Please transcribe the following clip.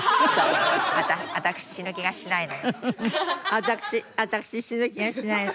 私私死ぬ気がしないの。